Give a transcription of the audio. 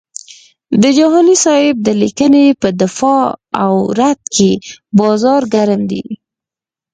د جهاني صاحب د لیکنې په دفاع او رد کې بازار ګرم دی.